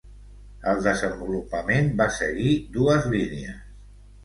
El desenvolupament va seguir dues línies.